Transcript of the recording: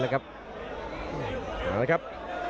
มาแล้วครับ